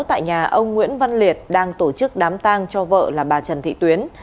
tại nhà ông nguyễn văn liệt đang tổ chức đám tang cho vợ là bà trần thị tuyến